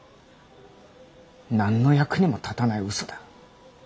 何の役にも立たないうそだ。